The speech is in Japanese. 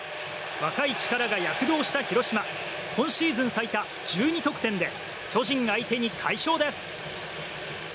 若い力が躍動した広島今シーズン最多１２得点で巨人相手に快勝です！